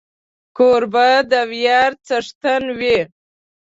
کوربه د ویاړ څښتن وي.